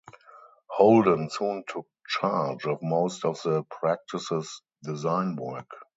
Holden soon took charge of most of the practice's design work.